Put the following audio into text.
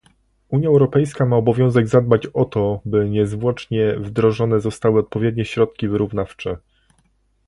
Unia Europejska ma obowiązek zadbać o to, by niezwłocznie wdrożone zostały odpowiednie środki wyrównawcze